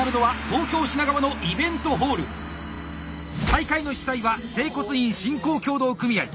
大会の主催は整骨院振興協同組合。